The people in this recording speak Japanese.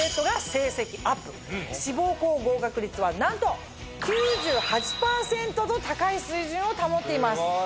志望校合格率はなんと。と高い水準を保っています。